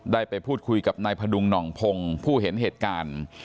ได้ไปพูดคุยกับนายพดุงหน่องพงศ์ผู้เห็นเหตุการณ์